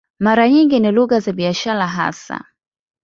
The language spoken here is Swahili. Mara nyingi ni lugha za biashara hasa.